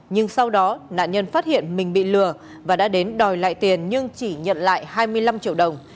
nhưng sau đó nạn nhân phát hiện mình bị lừa và đã đến đòi lại tiền nhưng chỉ nhận lại hai mươi năm triệu đồng